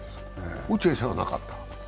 落合さんはなかった？